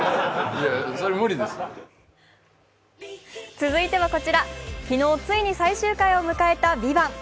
続いてはこちら、昨日ついに最終回を迎えた「ＶＩＶＡＮＴ」。